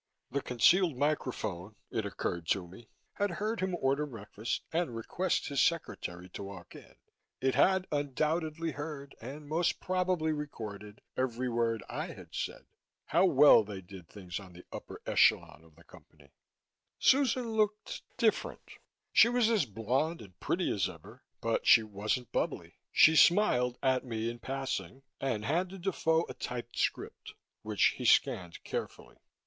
The concealed microphone, it occurred to me, had heard him order breakfast and request his secretary to walk in. It had undoubtedly heard and most probably recorded every word I had said. How well they did things on the upper echelon of the Company! Susan looked different. She was as blonde and pretty as ever. But she wasn't bubbly. She smiled at me in passing and handed Defoe a typed script, which he scanned carefully.